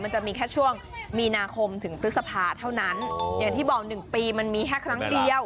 มันจะมีแค่ช่วงมีนาคมถึงพฤษภาเท่านั้นอย่างที่บอกหนึ่งปีมันมีแค่ครั้งเดียว